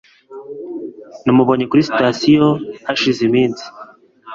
Namubonye kuri sitasiyo hashize iminsi.